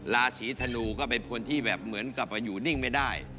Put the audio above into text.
ราศีธนูก็เป็นคนที่แบบเหมือนกลับมาอยู่นิ่งไม่ได้